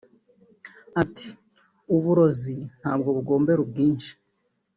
Ati“Uburozi ntabwo bugombera ubwinshi